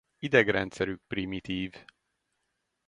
Idegrendszerük primitív.